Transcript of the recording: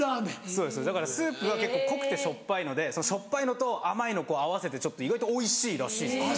そうですだからスープが結構濃くてしょっぱいのでそのしょっぱいのと甘いのをこう合わせてちょっと意外とおいしいらしいですね。